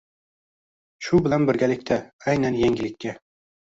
Shu bilan birgalikda, aynan yangilikka